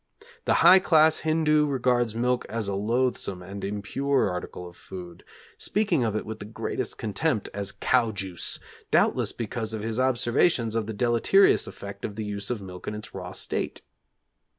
The high class Hindoo regards milk as a loathsome and impure article of food, speaking of it with the greatest contempt as "cow juice," doubtless because of his observations of the deleterious effect of the use of milk in its raw state.